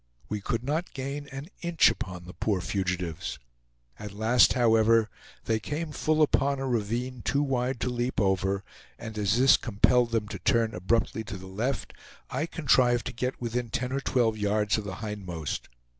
We could not gain an inch upon the poor fugitives. At last, however, they came full upon a ravine too wide to leap over; and as this compelled them to turn abruptly to the left, I contrived to get within ten or twelve yards of the hindmost.